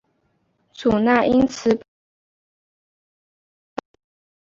祖纳因此把内政部告上法庭。